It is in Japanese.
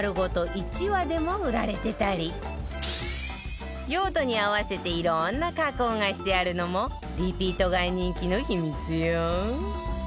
１羽でも売られてたり用途に合わせていろんな加工がしてあるのもリピート買い人気の秘密よ